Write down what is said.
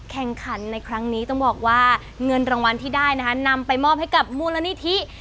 แข่งขันในครั้งนี้ต้องบอกว่าเงินรางวัลที่ได้นะคะนำไปมอบให้กับมูลนิธิ